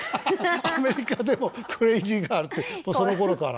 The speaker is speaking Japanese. アメリカでも「クレイジーガール」ってもうそのころから。